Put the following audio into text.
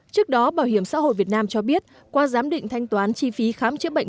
trước đó bảo hiểm xã hội việt nam cho biết qua giám định thanh toán chi phí khám chữa bệnh